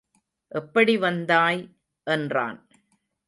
எப்படி வந்தாய்? என்றான்.